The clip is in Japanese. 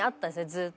ずーっと。